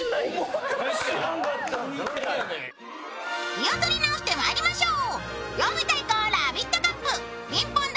気を取り直してまいりましょう。